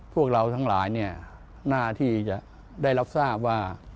พวกเราทั้งหลายหน้าที่จะได้รับทราบว่า